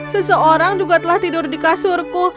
seseorang juga telah tidur di kasurku